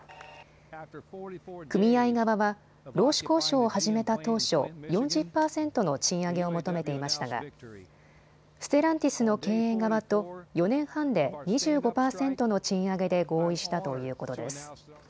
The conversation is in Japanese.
組合側は労使交渉を始めた当初、４０％の賃上げを求めていましたがステランティスの経営側と４年半で２５％の賃上げで合意したということです。